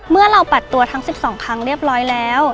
เมื่อเราปัดตัวทั้ง๑๒ครั้งเรียบร้อยแล้ว